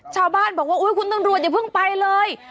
ชาวบ้านบอกว่าเออคุณตำรวจอย่าไปเลย